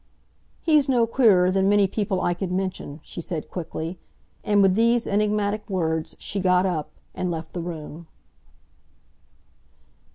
"He's no queerer than many people I could mention," she said quickly; and with these enigmatic words she got up, and left the room.